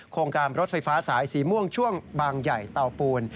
โครงการรถไฟฟ้าสายสีม่วงช่วงบางใหญ่เตาปูน